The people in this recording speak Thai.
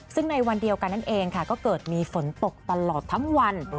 ซึ่งในวันเดียวกันนั่นเองค่ะก็เกิดมีฝนตกตลอดทั้งวัน